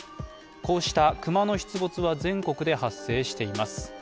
こうした熊の出没は全国で発生しています。